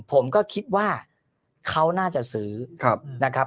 ผมก็คิดว่าเขาน่าจะซื้อนะครับ